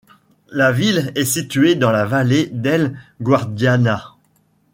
La ville est située dans la Valle del Guardiana.